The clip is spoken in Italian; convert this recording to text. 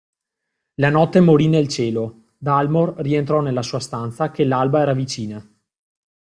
La notte morì nel cielo, Dalmor rientrò nella sua stanza che l'alba era vicina.